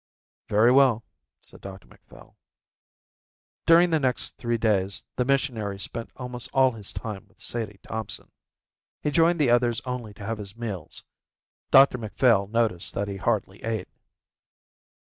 "Very well," said Dr Macphail. During the next three days the missionary spent almost all his time with Sadie Thompson. He joined the others only to have his meals. Dr Macphail noticed that he hardly ate.